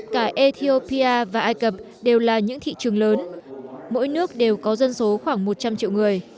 cả ethiopia và ai cập đều là những thị trường lớn mỗi nước đều có dân số khoảng một trăm linh triệu người